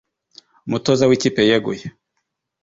umutoza w'ikipe yeguye